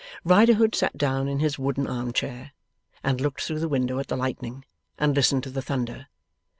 Riderhood sat down in his wooden arm chair, and looked through the window at the lightning, and listened to the thunder.